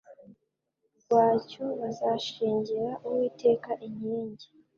rwacyo bazashingira Uwiteka inkingi